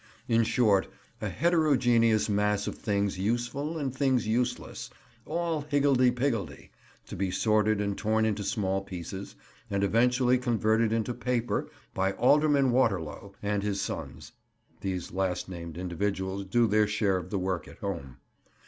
in short, a heterogeneous mass of things useful and things useless, all higgle de piggledy, to be sorted and torn into small pieces, and eventually converted into paper by Alderman Waterlow and his sons (these last named individuals do their share of the work at home).